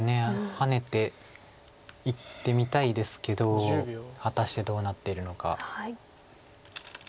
ハネていってみたいですけど果たしてどうなってるのか。